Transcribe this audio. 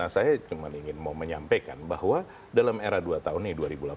saya cuma ingin menyampaikan bahwa dalam era dua tahun ini dua ribu delapan belas dua ribu sembilan belas